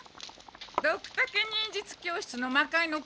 ドクタケ忍術教室の魔界之